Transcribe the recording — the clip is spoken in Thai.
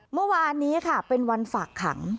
เมื่อวานนี้ค่ะเป็นวันฝากขัง